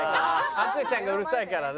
淳さんがうるさいからね。